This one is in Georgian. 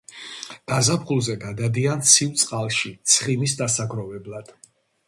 გაზაფხულზე გადადიან ცივ წყალში ცხიმის დასაგროვებლად.